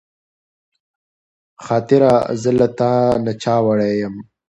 خاطره زه له تا نه چا وړې يم